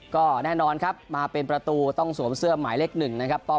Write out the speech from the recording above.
ก็แน่นอนครับมาเป็นประตูต้องสวมเสื้อหมายเลข๑นะครับ